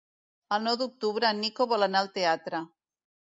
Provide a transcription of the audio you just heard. El nou d'octubre en Nico vol anar al teatre.